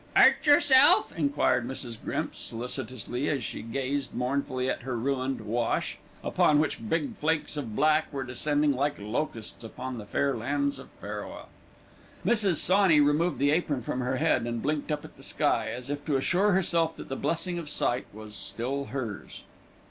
"'Urt yerself?" enquired Mrs. Grimps, solicitously as she gazed mournfully at her ruined "wash", upon which big flakes of black were descending like locusts upon the fair lands of Pharaoh. Mrs. Sawney removed the apron from her head, and blinked up at the sky, as if to assure herself that the blessing of sight was still hers.